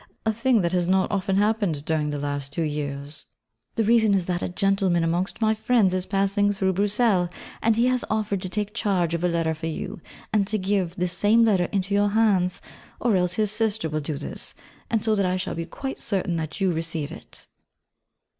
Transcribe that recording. A thing that has not often happened during the last two years. The reason is that a gentleman amongst my friends is passing through Bruxelles, and he has offered to take charge of a letter for you, and to give this same letter into your hands; or else his sister will do this, so that I shall be quite certain that you receive it.